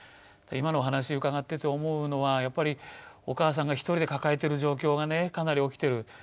今のお話うかがってて思うのはやっぱりお母さんが一人で抱えてる状況がねかなり起きてる。